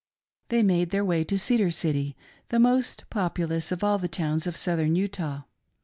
They made their way to Cedar City, the most populous of all the towns of Southern Utah.